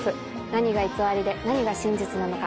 何が偽りで何が真実なのか。